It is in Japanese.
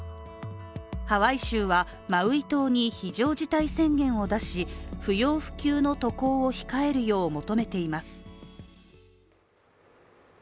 ハワイ州はマウイ島に非常事態宣言を出し不要不急の渡航を控えるよう求めています。